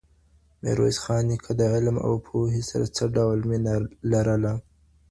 ميرويس خان نيکه د علم او پوهې سره څه ډول مینه لرله؟